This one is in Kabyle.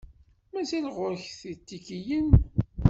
Mazal ɣur-k itikiyen?